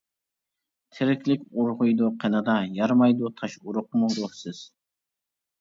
تىرىكلىك ئۇرغۇيدۇ قىنىدا، يارمايدۇ تاش ئۇرۇقمۇ روھسىز.